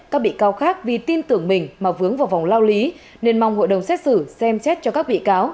các bị cáo khác vì tin tưởng mình mà vướng vào vòng lao lý nên mong hội đồng xét xử xem xét cho các bị cáo